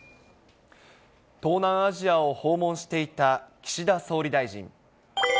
東南アジアを訪問していた岸田総理大臣。